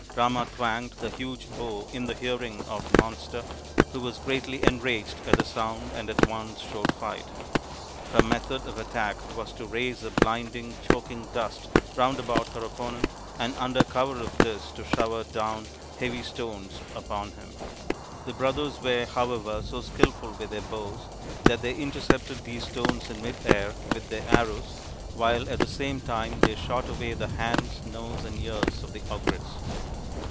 Rama twanged his huge bow in the hearing of the monster, who was greatly enraged at the sound and at once showed fight. Her method of attack was to raise a blinding, choking dust round about her opponent and under cover of this to shower down heavy stones upon him. The brothers were. RAMA'S QUEST 15 however, so skilful with their bows that they inter cepted these stones in mid air with their arrows while at the same time they shot away the hands, nose, and ears of the ogress.